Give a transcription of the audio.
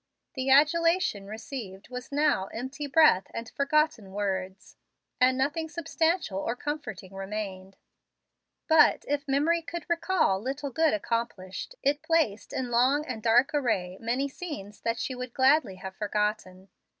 The adulation received was now empty breath and forgotten words, and nothing substantial or comforting remained. But, if memory could recall little good accomplished, it placed in long and dark array many scenes that she would gladly have forgotten.